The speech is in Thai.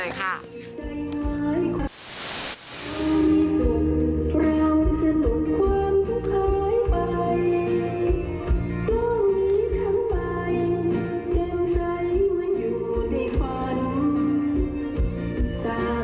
สร้างความรักคู่เถอะไม่มีเพลงมัน